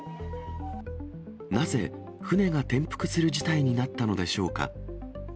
なぜ船が転覆する事態になったのでしょうか。